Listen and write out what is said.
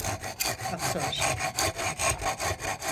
Aptal şey!